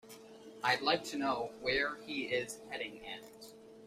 I'd like to know where he is heading at.